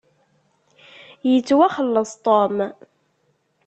Yettwaxelleṣ Tom.